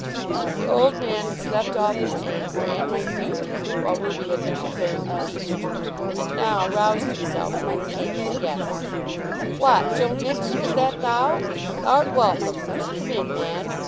The old man had slept off his anger and his beer while Ruby had been preparing the feast, and now roused himself to entertain his guests. "What, Joe Mixet; is that thou? Thou'rt welcome. Come in, man.